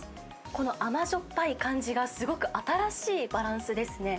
この甘じょっぱい感じが、すごく新しいバランスですね。